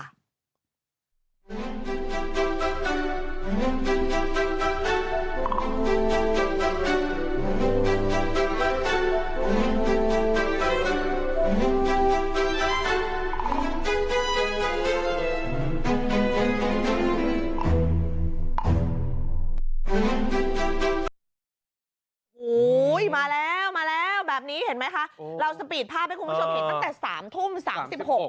โอ้โหมาแล้วมาแล้วแบบนี้เห็นไหมคะเราสปีดภาพให้คุณผู้ชมเห็นตั้งแต่สามทุ่มสามสิบหก